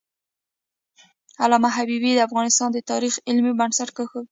علامه حبیبي د افغانستان د تاریخ علمي بنسټ کېښود.